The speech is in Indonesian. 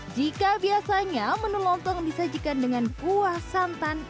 jika biasanya menu lontong disajikan dengan kuah santan